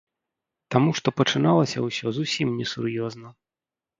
Таму што пачыналася ўсё зусім несур'ёзна.